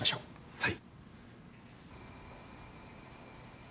はい。